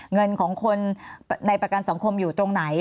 เงินของคนในประกันสังคมอยู่ตรงไหน